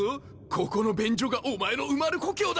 ここの便所がお前の生まれ故郷だ！